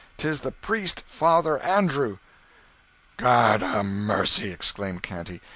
'Tis the priest, Father Andrew!" "God a mercy!" exclaimed Canty.